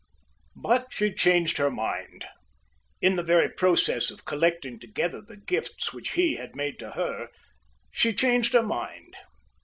But she changed her mind. In the very process of collecting together the gifts which he had made to her she changed her mind.